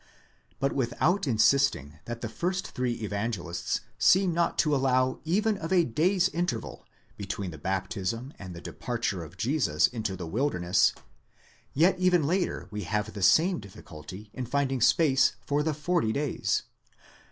But without insisting that the first three Evangelists seem not to allow even of a day's interval between the baptism and the departure of Jesus into the wilderness, yet even later we have the same difficulty in finding space for the forty days.